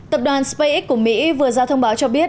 tập đoàn spacex của mỹ vừa ra thông báo cho biết